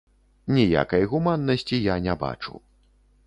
Ніякай гуманнасці я не бачу.